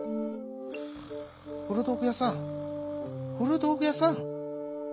「ふるどうぐやさんふるどうぐやさん」。